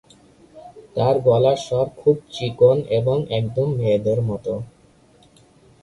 তার গলার স্বর খুব চিকন এবং একদম মেয়েদের মত।